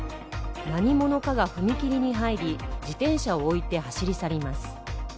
何者かが踏切に入り、自転車を置いて走り去ります。